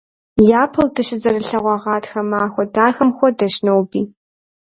Япэу дыщызэрылъэгъуа гъатхэ махуэ дахэм хуэдэщ ноби.